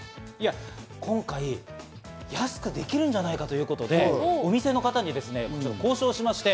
今回安くできるんじゃないかということでお店の方にですね交渉しました。